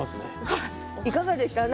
いかがでした？